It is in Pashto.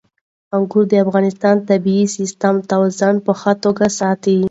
انګور د افغانستان د طبعي سیسټم توازن په ښه توګه ساتي.